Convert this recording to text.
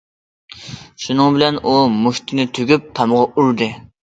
شۇنىڭ بىلەن ئۇ مۇشتىنى تۈگۈپ تامغا ئۇردى.